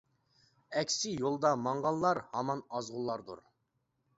ئەكسى يولدا ماڭغانلار ھامان ئازغۇنلار دۇر.